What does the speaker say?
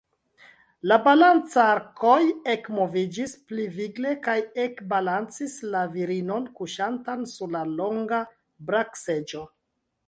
La balancarkoj ekmoviĝis pli vigle kaj ekbalancis la virinon, kuŝantan sur la longa brakseĝo.